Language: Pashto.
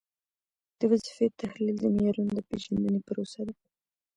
د وظیفې تحلیل د معیارونو د پیژندنې پروسه ده.